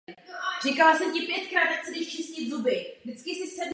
Další významný zdroj vodíku představují organické sloučeniny.